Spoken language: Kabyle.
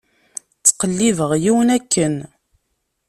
Ttqellibeɣ yiwen akken.